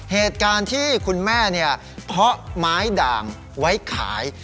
เหตุการณ์ที่คุณแม่เพาะไม้ด่างไว้ขาย